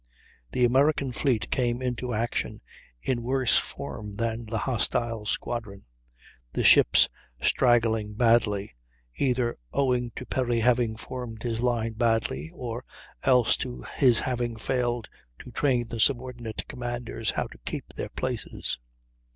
The American fleet came into action in worse form than the hostile squadron, the ships straggling badly, either owing to Perry having formed his line badly, or else to his having failed to train the subordinate commanders how to keep their places.